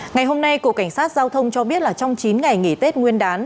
ngày hôm nay cổ cảnh sát giao thông cho biết trong chín ngày nghỉ tết nguyên đán